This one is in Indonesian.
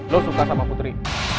lo suka sama putri